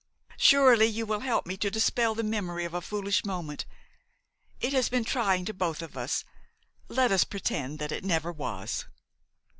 Surely you will help me to dispel the memory of a foolish moment. It has been trying to both of us. Let us pretend that it never was."